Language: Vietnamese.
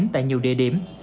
tại nhiều địa điểm